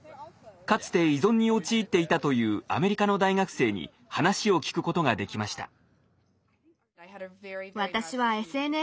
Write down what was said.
かつて依存に陥っていたというアメリカの大学生に話を聞くことができました。